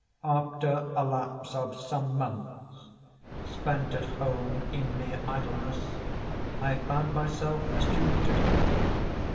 After a lapse of some months, spent at home in mere idleness, I found myself a student at Eton.